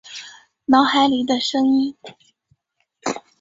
脑海里的声音